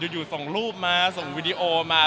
อยู่ส่งรูปมาส่งวิดีโอมา